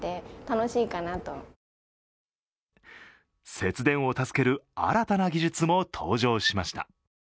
節電を助ける新たな技術も登場しました。